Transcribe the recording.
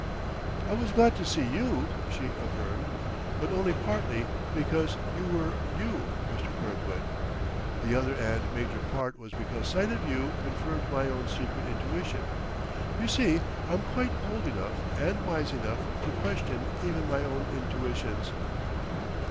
"I was glad to see you," she affirmed; "but only partly because you were you, Mr. Kirkwood. The other and major part was because sight of you confirmed my own secret intuition. You see, I'm quite old enough and wise enough to question even my own intuitions."